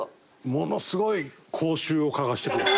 ものすごい口臭を嗅がせてくる。